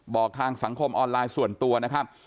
ทางสังคมออนไลน์ส่วนตัวนะครับ